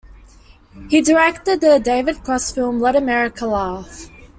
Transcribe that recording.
He directed the David Cross film "Let America Laugh".